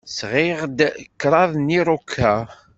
Sɣiɣ-d kraḍ n yiruka.